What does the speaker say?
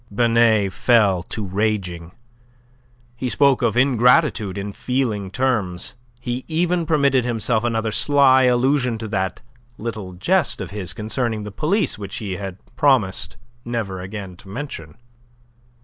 Binet fell to raging. He spoke of ingratitude in feeling terms; he even permitted himself another sly allusion to that little jest of his concerning the police, which he had promised never again to mention.